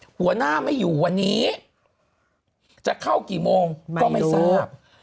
หัวหน้าไม่อยู่วันนี้จะเข้ากี่โมงก็ไม่ทราบ